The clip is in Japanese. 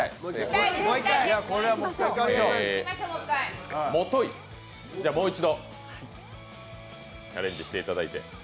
もとい、じゃあもう一度チャレンジしていただいて。